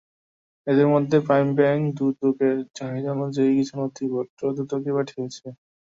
এদের মধ্যে prime bank দুদকের চাহিদা অনুযায়ী কিছু নথিপত্র দুদকে পাঠিয়েছে।